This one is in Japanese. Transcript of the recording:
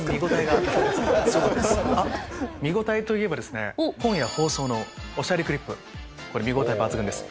あっ、見応えといえばですね、今夜放送のおしゃれクリップ、これ、見応え抜群です。